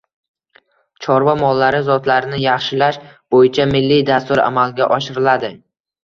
chorva mollari zotlarini yaxshilash bo‘yicha milliy dastur amalga oshiriladi.